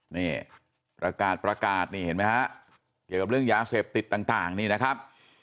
นี่ประกาศประกาศนี่เห็นไหมฮะเกี่ยวกับเรื่องยาเสพติดต่างนี่นะครับ